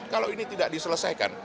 kalau ini tidak diselesaikan